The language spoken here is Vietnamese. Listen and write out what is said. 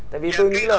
tại vì tôi nghĩ là